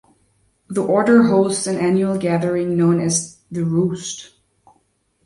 The Order hosts an annual gathering known as the "Roost".